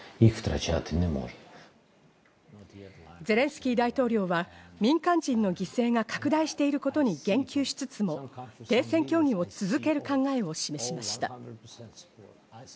ゼレンスキー大統領は民間人の犠牲が拡大していることに言及しつつも、停戦協議を続ける考えを示しました。